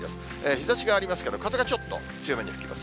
日ざしがありますけど、風がちょっと強めに吹きます。